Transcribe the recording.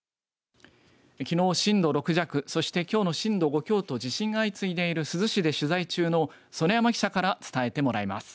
きのう震度６弱、そしてきょうの震度５強と地震が相次いでいる珠洲市で取材中の園山記者から伝えてもらいます。